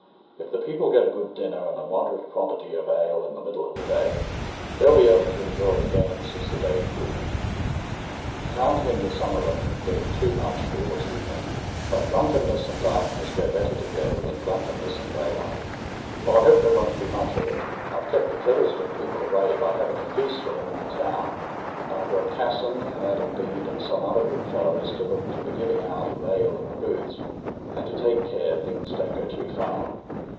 If the people get a good dinner and a moderate quantity of ale in the middle of the day, they'll be able to enjoy the games as the day cools. You can't hinder some of them from getting too much towards evening, but drunkenness and darkness go better together than drunkenness and daylight." "Well, I hope there won't be much of it. I've kept the Treddleston people away by having a feast for them in the town; and I've got Casson and Adam Bede and some other good fellows to look to the giving out of ale in the booths, and to take care things don't go too far.